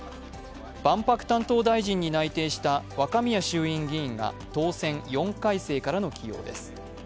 万博担当大臣に内定した若宮衆院議員が当選４回生からの起用です。